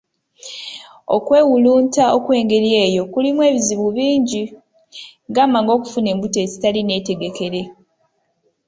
Okwewulunta okwengeri eyo kulimu ebizibu bingi ,gamba ng'okufuna embuto ezitali nneetegekere.